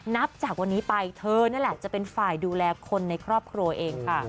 นับจากวันนี้ไปเธอนั่นแหละจะเป็นฝ่ายดูแลคนในครอบครัวเองค่ะ